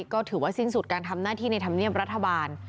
ก็ถือว่าสิ้นสุดการทำหน้าที่ในธรรมเนียบรัฐบาล